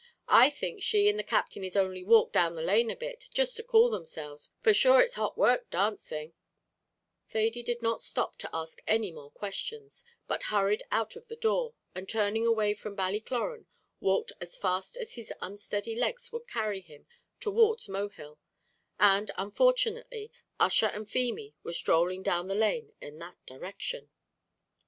I think she and the Captain is only walked down the lane a bit, jist to cool themselves, for sure it's hot work dancing " Thady did not stop to ask any more questions, but hurried out of the door, and turning away from Ballycloran, walked as fast as his unsteady legs would carry him towards Mohill; and, unfortunately, Ussher and Feemy were strolling down the lane in that direction.